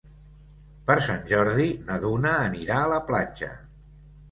Per Sant Jordi na Duna anirà a la platja.